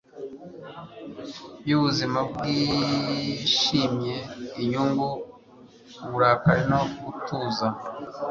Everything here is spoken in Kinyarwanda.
yubuzima bwishimye, inyungu, uburakari no gutuza